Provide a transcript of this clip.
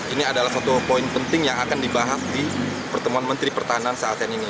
ini adalah satu poin penting yang akan dibahas di pertemuan menteri pertahanan saat ini